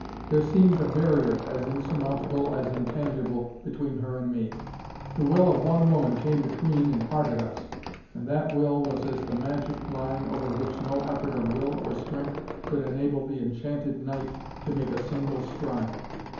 There seemed a barrier as insurmountable as intangible between her and me. The will of one woman came between and parted us, and that will was as the magic line over which no effort of will or strength could enable the enchanted knight to make a single stride.